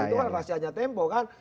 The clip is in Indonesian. itu kan rahasianya tempo kan